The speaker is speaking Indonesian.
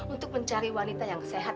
untuk mencari wanita yang sehat